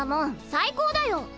最高だよ。